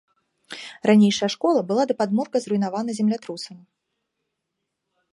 Ранейшая школа была да падмурка зруйнавана землятрусам.